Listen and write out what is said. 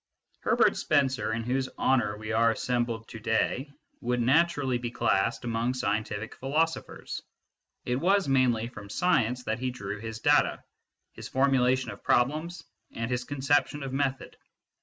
Herbert Spencer, in whose honour we are assembled to day, would naturally be classed among scientific philosophers : it was mainly from science that he drew his data, his formulation of problems, and his conception of method.